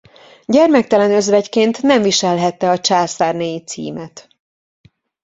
Gyermektelen özvegyként nem viselhette a császárnéi címet.